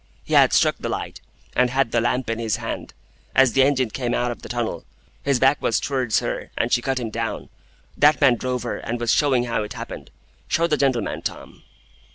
He had struck the light, and had the lamp in his hand. As the engine came out of the tunnel, his back was towards her, and she cut him down. That man drove her, and was showing how it happened. Show the gentleman, Tom."